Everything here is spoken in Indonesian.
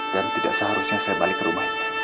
dan tidak seharusnya saya balik ke rumah ini